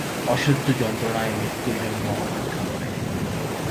অসহ্য যন্ত্রণায় মৃত্যুর জন্যে অপেক্ষা করে।